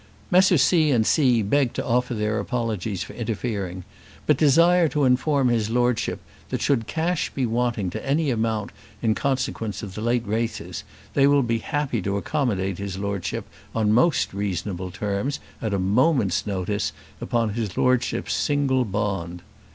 Messrs. C. and C. beg to offer their apologies for interfering, but desire to inform his Lordship that should cash be wanting to any amount in consequence of the late races, they will be happy to accommodate his Lordship on most reasonable terms at a moment's notice, upon his Lordship's single bond.